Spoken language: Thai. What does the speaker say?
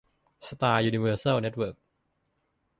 สตาร์ ยูนิเวอร์แซล เน็ตเวิร์ค